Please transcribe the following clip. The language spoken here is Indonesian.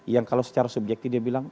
yang kalau secara subjektif dia bilang